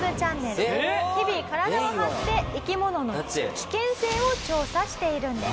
「日々体を張って生き物の危険性を調査しているんです」